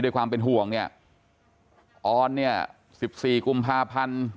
ความเป็นห่วงเนี่ยออนเนี่ยสิบสี่กุมภาพันธ์